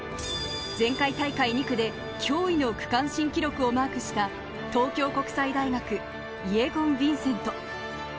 前回大会２区で驚異の区間新記録をマークした東京国際大学のイェゴン・ヴィンセント。